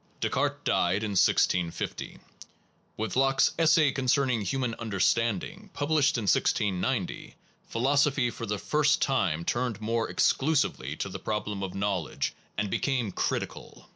Descartes died in 1650. With Locke s Essay Concerning Human Understanding/ published in 1690, philosophy for the first time turned more exclusively to the problem of knowledge, and became critical.